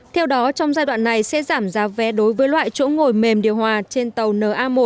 theo đó trong giai đoạn này sẽ giảm giá vé đối với loại chỗ ngồi mềm điều hòa trên tàu na một